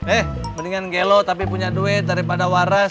eh mendingan gelo tapi punya duit daripada waras